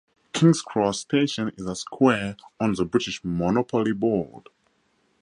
King's Cross station is a square on the British "Monopoly" board.